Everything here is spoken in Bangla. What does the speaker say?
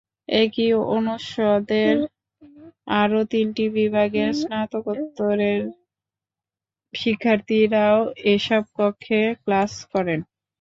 একই অনুষদের আরও তিনটি বিভাগের স্নাতকোত্তরের শিক্ষার্থীরাও এসব কক্ষে ক্লাস করেন।